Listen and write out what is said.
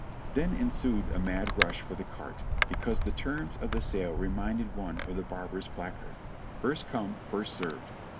Then ensued a mad rush for the cart; because the terms of the sale reminded one of the barber's placard : "First come first served."